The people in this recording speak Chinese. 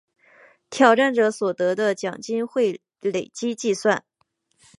挑战者所得的奖金会累积计算。